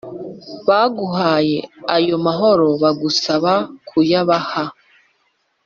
baguhaye ayo maharo bagusaba kuyabaha eee